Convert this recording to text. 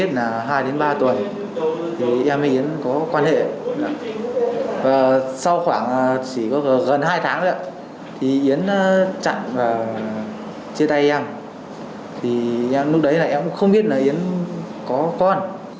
thì em lúc đấy là em cũng không biết là yến có con